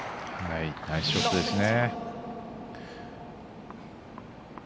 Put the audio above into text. ナイスショットですね。